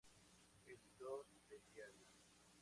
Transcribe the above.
Editor del Diario.